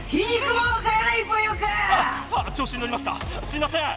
すいません。